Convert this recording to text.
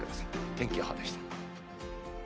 天気予報でした。